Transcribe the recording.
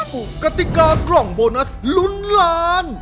กติกากล่องโบนัสลุ้นล้าน